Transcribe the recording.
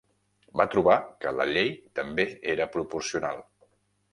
Va trobar que la llei també era proporcional.